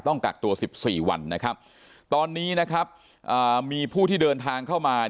ต้องกักตัว๑๔วันตอนนี้มีผู้ที่เดินทางเข้ามา